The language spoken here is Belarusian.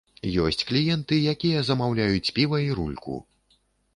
Ёсць кліенты, якія замаўляюць піва і рульку.